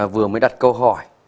vừa mới đặt câu hỏi